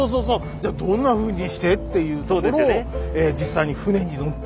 じゃあどんなふうにしてっていうところを実際に船に乗って。